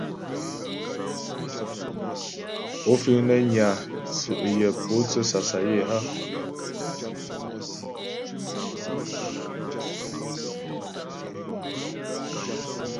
Ó fíŋ nə́ nyà tsʉ́' yə mpótsə́ sasayə́ hə́ ?